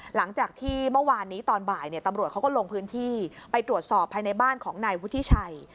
หลังจากที่เมื่อวานนี้ตอนบ่ายตำรวจเขาก็ลงพื้นที่ไปตรวจสอบภายในบ้านของนายวุฒิชัย